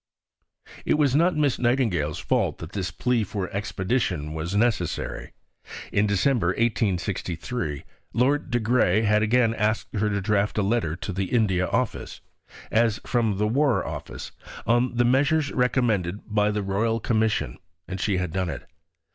It was not Miss Nightingale's fault that this plea for expedition was necessary. In December 1863 Lord de Grey had again asked her to draft a letter to the India Office, as from the War Office, on the measures recommended by the Royal Commission, and she had done it.